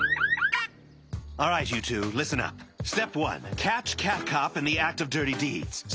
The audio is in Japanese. ステップ１。